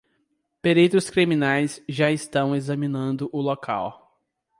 Peritos criminais já estão examinando o local